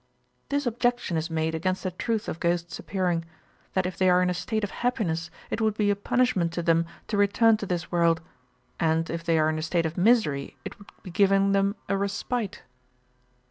'This objection is made against the truth of ghosts appearing: that if they are in a state of happiness, it would be a punishment to them to return to this world; and if they are in a state of misery, it would be giving them a respite.'